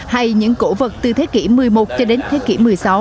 hay những cổ vật từ thế kỷ một mươi một cho đến thế kỷ một mươi sáu